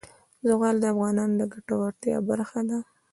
زغال د افغانانو د ګټورتیا برخه ده.